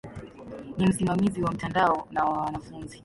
Ni msimamizi wa mtandao na wa wanafunzi.